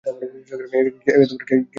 কেউ যেন না জানে।